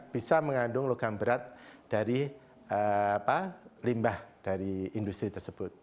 bisa mengandung logam berat dari limbah dari industri tersebut